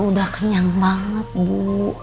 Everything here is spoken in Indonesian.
udah kenyang banget bu